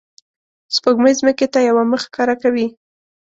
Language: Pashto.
سپوږمۍ ځمکې ته یوه مخ ښکاره کوي